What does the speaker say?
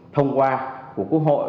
thông qua của quốc hội